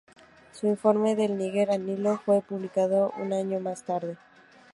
Su informe "Del Níger al Nilo" fue publicado un año más tarde.